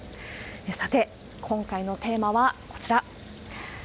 さて、今回のテーマはこちら。